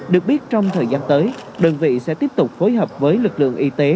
được biết trong thời gian tới đơn vị sẽ tiếp tục phối hợp với lực lượng y tế